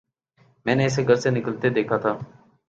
میں نے اسے گھر سے نکلتے دیکھا تھا